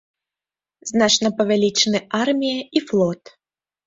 Значна павялічаны армія і флот.